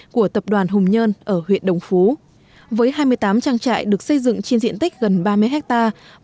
cùng với hai mươi tám trang trại được xây dựng trên diện tích gần ba mươi hectare